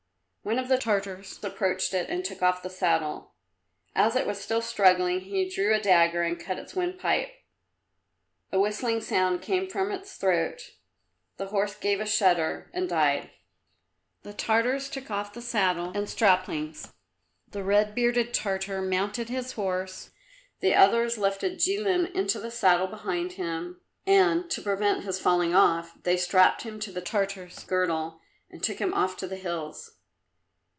One of the Tartars approached it and took off the saddle. As it was still struggling, he drew a dagger and cut its windpipe. A whistling sound came from its throat; the horse gave a shudder and died. The Tartars took off the saddle and strappings. The red bearded Tartar mounted his horse, the others lifted Jilin into the saddle behind him, and, to prevent his falling off, they strapped him to the Tartar's girdle, and took him off to the hills.